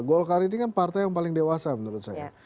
golkar ini kan partai yang paling dewasa menurut saya